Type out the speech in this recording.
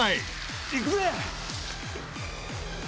「いくぜ！」